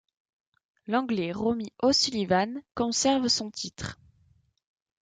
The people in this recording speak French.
L'Anglais Ronnie O'Sullivan conserve son titre.